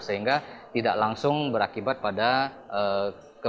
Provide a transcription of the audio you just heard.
sehingga tidak langsung berakibat pada kematian